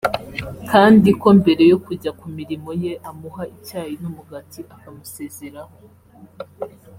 kandi ko mbere yo kujya ku mirimo ye amuha icyayi n’umugati akamusezeraho